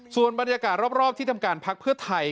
ส่วนบรรยากาศรอบที่ทำการพักเพื่อไทย